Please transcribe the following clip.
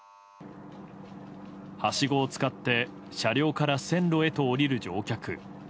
はしごを使って車両から線路へと降りる乗客。